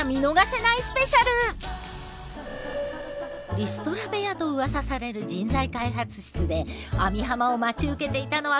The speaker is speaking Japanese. リストラ部屋とうわさされる人材開発室で網浜を待ち受けていたのはこの３人。